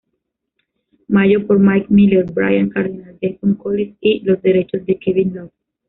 Mayo por Mike Miller, Brian Cardinal, Jason Collins y los derechos de Kevin Love.